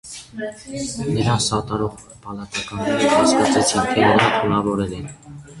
Նրան սատարող պալատականները կասկածեցին, թե նրան թունավորել են։